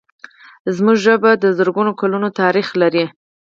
زموږ ژبه د زرګونو کلونو تاریخ لري.